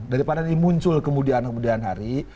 daripada ini muncul kemudian kemudian hari